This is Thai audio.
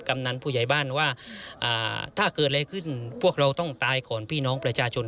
กำนันผู้ใหญ่บ้านว่าถ้าเกิดอะไรขึ้นพวกเราต้องตายก่อนพี่น้องประชาชน